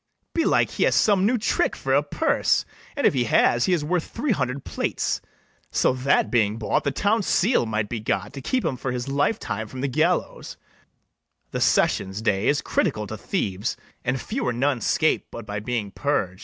Belike he has some new trick for a purse; An if he has, he is worth three hundred plates, So that, being bought, the town seal might be got To keep him for his life time from the gallows: The sessions day is critical to thieves, And few or none scape but by being purg'd.